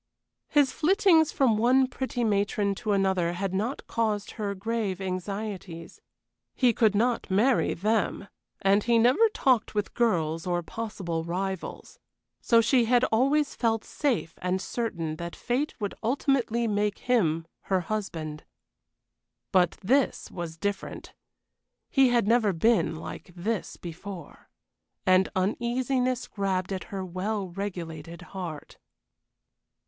His flittings from one pretty matron to another had not caused her grave anxieties. He could not marry them, and he never talked with girls or possible rivals. So she had always felt safe and certain that fate would ultimately make him her husband. But this was different he had never been like this before. And uneasiness grabbed at her well regulated heart.